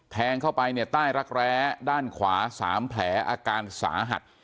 แทงเข้าไปเนี่ยใต้รักแร้ด้านขวา๓แผลอาการสาหัส